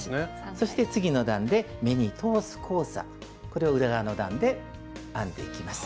そして次の段で目に通す交差これを裏側の段で編んでいきます。